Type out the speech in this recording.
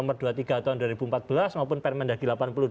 pada tahun dua ribu empat belas maupun permen dagi delapan puluh